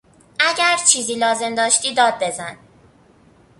اگر چیزی لازم داشتی داد بزن